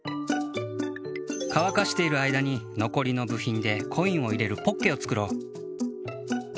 かわかしているあいだにのこりの部品でコインを入れるポッケを作ろう。